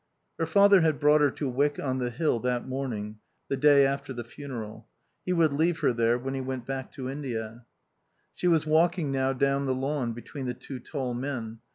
Her father had brought her to Wyck on the Hill that morning, the day after the funeral. He would leave her there when he went back to India. She was walking now down the lawn between the two tall men.